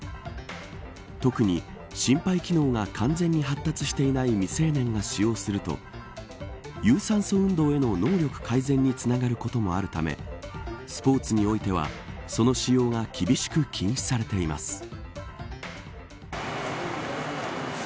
特に心肺機能が完全に発達していない未成年が使用すると有酸素運動への能力改善につながることもあるためスポーツにおいてはその使用が厳しく禁止されています。